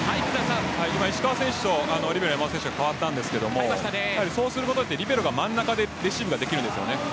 今、石川選手とリベロの選手が代わったんですけどそうすることでリベロが真ん中でレシーブができますね。